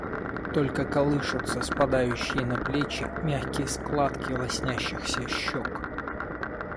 Только колышутся спадающие на плечи мягкие складки лоснящихся щек.